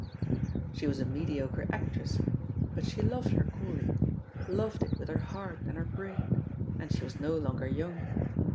She was a mediocre actress, but she loved her calling — Gloved it with her heart and her brain — and she was no longer young.